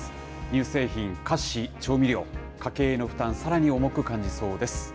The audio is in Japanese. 乳製品、菓子、調味料、家計への負担、さらに重く感じそうです。